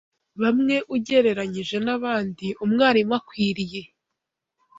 bamwe ugereranyije n’abandi, umwarimu akwiriye